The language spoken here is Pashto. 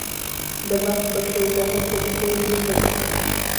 د بلخ په شولګره کې د تیلو نښې شته.